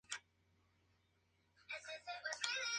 Su trazado corresponde aproximadamente a la actual avenida Santa Rosa.